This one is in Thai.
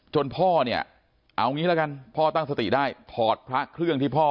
พ่อเนี่ยเอางี้ละกันพ่อตั้งสติได้ถอดพระเครื่องที่พ่อ